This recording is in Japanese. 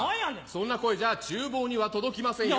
そんな声じゃ厨房には届きませんよ。